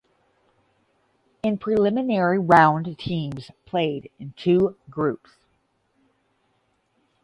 In preliminary round teams played in two groups.